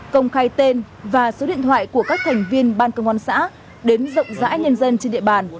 công khai tên và số điện thoại của các thành viên ban công an xã đến rộng rãi nhân dân trên địa bàn